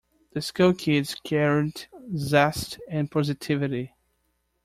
The school kids carried zest and positivity.